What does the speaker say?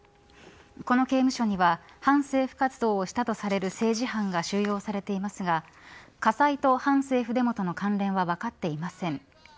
この刑務所には反政府活動をしたとされる政治犯が収容されていますが火災と反政府デモとの関連は分かっていません。